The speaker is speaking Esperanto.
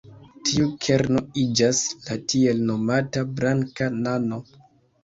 Tiu kerno iĝas la tiel nomata "blanka nano".